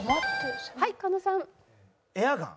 はい狩野さん。